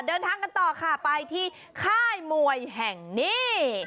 เดินทางกันต่อค่ะไปที่ค่ายมวยแห่งนี้